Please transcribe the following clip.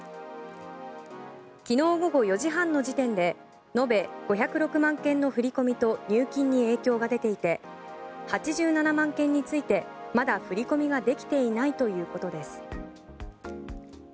昨日午後４時半の時点で延べ５０６万件の振り込みと入金に影響が出ていて８７万件についてまだ振り込みができていないということです。